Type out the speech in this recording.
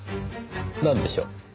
なんでしょう？